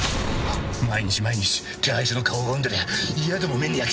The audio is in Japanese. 毎日毎日手配書の顔拝んでりゃ